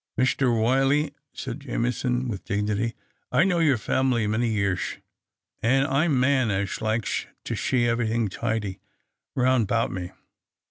" Mister Wy'Fly," said Jameson, with dignity, " I've know your family many yearsh, and I'm man as liksh to sliee ev'rythin' tidy roun' 'bout me.